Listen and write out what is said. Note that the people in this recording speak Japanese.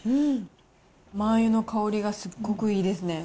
マー油の香りがすっごくいいですね。